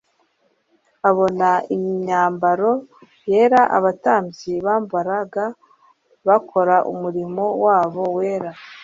Abona imyambaro yera abatambyi bambaraga bakora umurimo wabo wera.